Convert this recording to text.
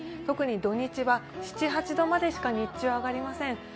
特に土日は７８度までしか日中、上がりません。